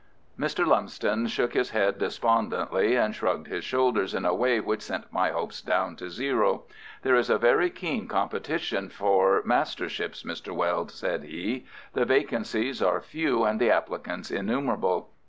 Mr. Lumsden shook his head despondently and shrugged his shoulders in a way which sent my hopes down to zero. "There is a very keen competition for masterships, Mr. Weld," said he. "The vacancies are few and the applicants innumerable.